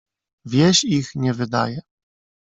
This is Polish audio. "Wieś ich nie wydaje."